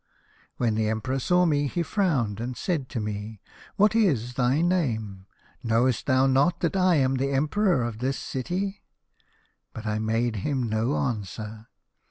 "When the Emperor saw me he frowned, and said to me, 'What is thy name ? Knowest thou not that I am Emperor of this city ?' But I made him no answer.